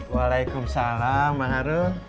waalaikumsalam mbak harun